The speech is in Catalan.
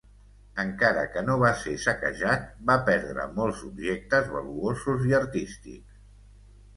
Encara que no va ser saquejat, va perdre molts objectes valuosos i artístics.